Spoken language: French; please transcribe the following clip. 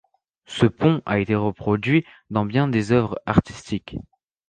Ce pont a été reproduit dans bien des œuvres artistiques.